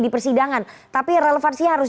di persidangan tapi relevansinya harus